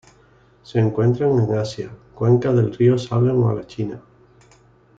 Se encuentran en Asia: cuenca del río Salween a la China.